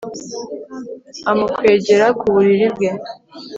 Amukwegera ku buriri bwe